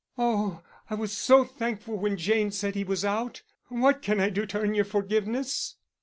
Oh, I was so thankful when Jane said he was out.... What can I do to earn your forgiveness?"